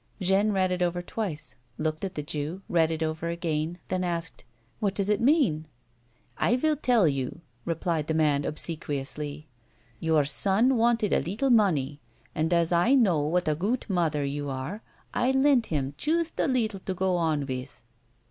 Jeanne read it over twice, looked at the Jew, read it over again, then asked :" What does it mean 1 "" I vill tell you," replied the man, obsequiously. " Your son wanted a leetle money, and, as I knew what a goot mother you are, I lent him joost a leetle to go on vith."